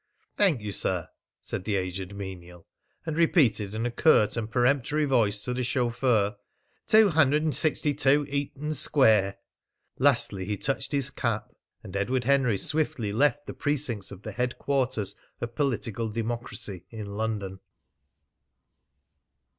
"Thank you, sir," said the aged menial, and repeated in a curt and peremptory voice to the chauffeur, "262 Eaton Square!" Lastly he touched his cap. And Edward Henry swiftly left the precincts of the headquarters of political democracy in London.